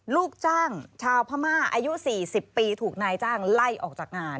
ลูกจ้างชาวพม่าอายุ๔๐ปีถูกนายจ้างไล่ออกจากงาน